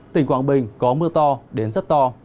tỉnh quảng bình có mưa to đến rất to